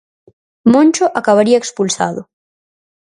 Moncho acabaría expulsado.